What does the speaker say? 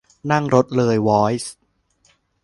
นั่งรถเลย ว้อย